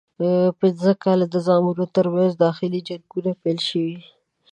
پنځه کاله د زامنو ترمنځ داخلي جنګونه پیل شول.